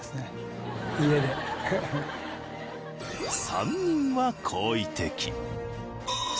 ３人は好意的。